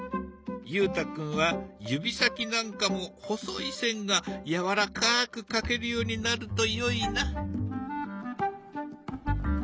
裕太君は指先なんかも細い線がやわらかく描けるようになるとよいな。